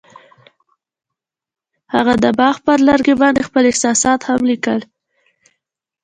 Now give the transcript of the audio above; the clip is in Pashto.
هغوی د باغ پر لرګي باندې خپل احساسات هم لیکل.